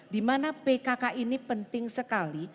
dimana pkk ini penting sekali